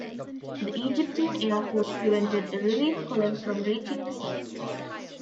The Egyptian air force prevented a relief column from reaching the site.